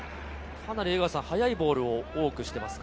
かなり速いボールを多くしていますか？